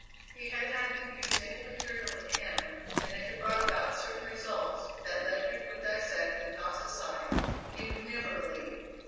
He had had to use any material at hand, and it had brought about certain results that Ledyard would dissect and toss aside, he would never believe!